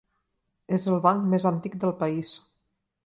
És el banc més antic del país.